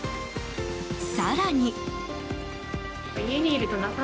更に。